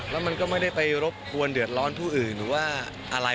แล้วมันก็ไม่ได้ไปรบกวนเดือดร้อนผู้อื่นหรือว่าอะไร